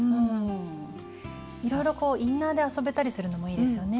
いろいろこうインナーで遊べたりするのもいいですよね。